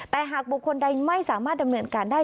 แต่หากบุคคลใดไม่สามารถดำเนินการได้